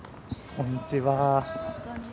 こんにちは。